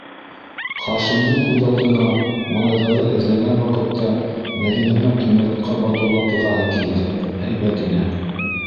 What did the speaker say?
- Хашимдың күҙ алдына малайҙарҙы эҙләгән ваҡытта Мәҙинәнең ҡумырыҡҡа батыу ваҡиғаһы килде. - һәйбәт ине.